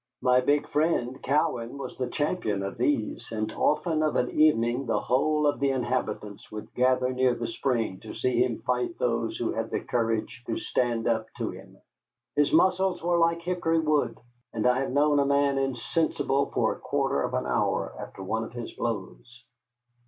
My big friend, Cowan, was the champion of these, and often of an evening the whole of the inhabitants would gather near the spring to see him fight those who had the courage to stand up to him. His muscles were like hickory wood, and I have known a man insensible for a quarter of an hour after one of his blows.